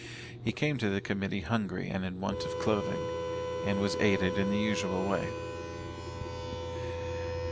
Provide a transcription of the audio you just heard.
He came to the Committee hungry and in want of clothing, and was aided in the usual way.